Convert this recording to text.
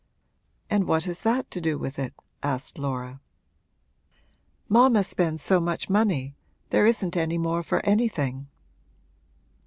'And what has that to do with it?' asked Laura. 'Mamma spends so much money there isn't any more for anything!'